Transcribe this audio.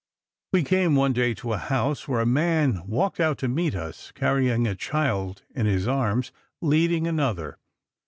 "We came one day to a house where a man walked out to meet us, carrying a child in his arms, leading another.